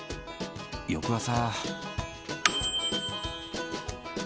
翌朝。